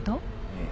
うん。